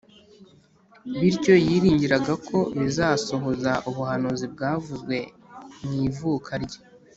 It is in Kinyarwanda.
. Bityo yiringiraga ko bizasohoza ubuhanuzi bwavuzwe mw’ivuka rye